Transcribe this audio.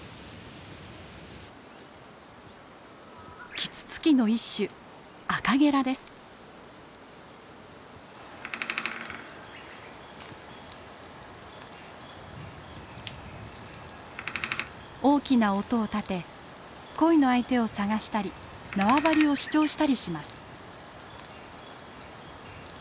キツツキの一種大きな音を立て恋の相手を探したり縄張りを主張したりします。